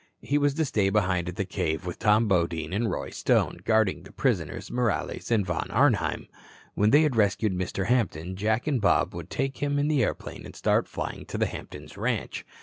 He was to stay behind at the cave with Tom Bodine and Roy Stone, guarding the prisoners, Morales and Von Arnheim. When they had rescued Mr. Hampton, Jack and Bob would take him in the airplane and start flying to the Hampton ranch.